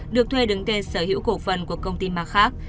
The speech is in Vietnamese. được thuê đứng tên sở hữu cổ phần của công ty ma khác